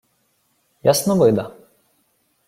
— Ясновида.